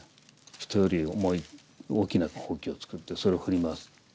人より重い大きなほうきを作ってそれを振り回す。